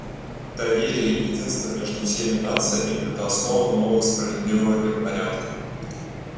Доверие и единство между всеми нациями — это основа нового справедливого миропорядка.